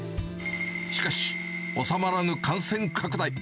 しかし、収まらぬ感染拡大。